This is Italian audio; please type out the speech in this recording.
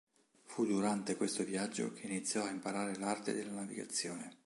Fu durante questo viaggio che iniziò a imparare l’arte della navigazione.